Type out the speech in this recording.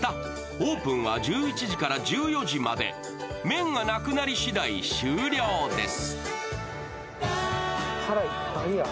オープンは１１時から１４時まで麺がなくなりしだい、終了です。